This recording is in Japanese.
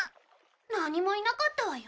何もいなかったわよ？